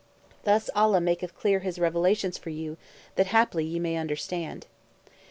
Thus Allah maketh clear His revelations for you, that haply ye may understand.